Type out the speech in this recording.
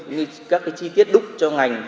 như các chi tiết đúc cho ngành